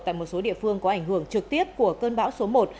tại một số địa phương có ảnh hưởng trực tiếp của cơn bão số một